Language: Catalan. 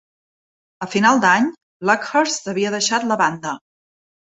A final d'any, Luckhurst havia deixat la banda.